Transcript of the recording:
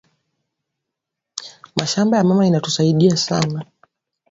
Mashamba ya mama ina tu saidia sana